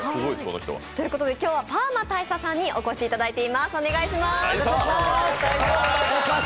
今日はパーマ大佐さんにお越しいただいています。